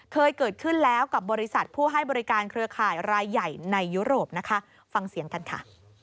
เคยเกิดขึ้นแล้วกับบริษัทผู้ให้บริการเครือข่ายรายใหญ่ในยุโรปนะคะฟังเสียงกันค่ะ